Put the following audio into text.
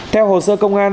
theo hồ sơ công an